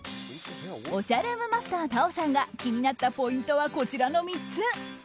おしゃルームマスターＴａｏさんが気になったポイントはこちらの３つ。